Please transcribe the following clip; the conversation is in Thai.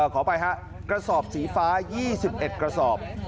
ขออภัยฮะกระสอบสีฟ้า๒๑กระสอบ